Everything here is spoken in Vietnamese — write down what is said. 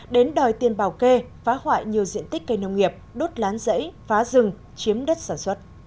đến đòi tiền bào kê phá hoại nhiều diện tích cây nông nghiệp đốt lán rẫy phá rừng chiếm đất sản xuất